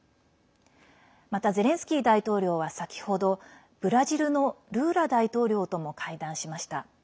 またゼレンスキー大統領は先ほどブラジルのルーラ大統領とも会談しました。